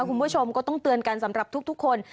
คุณผู้ชมก็ต้องเตือนกันสำหรับทุกคน